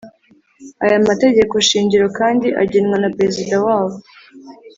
aya mategeko shingiro kandi agenwa na perezida wabo